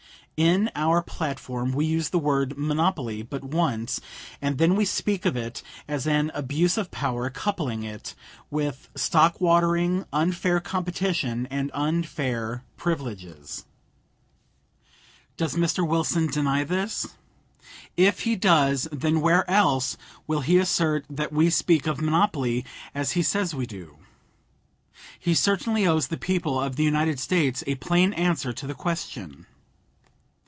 In our platform we use the word "monopoly" but once, and then we speak of it as an abuse of power, coupling it with stock watering, unfair competition and unfair privileges. Does Mr. Wilson deny this? If he does, then where else will he assert that we speak of monopoly as he says we do? He certainly owes the people of the United States a plain answer to the question.